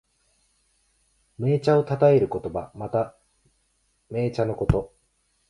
銘茶をたたえる言葉。また、銘茶のこと。